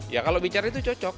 ya kalau bicara itu cocok